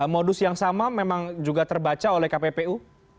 modus yang sama memang juga terbaca oleh kppu